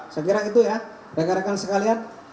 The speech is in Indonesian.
saya kira itu ya rakan rakan sekalian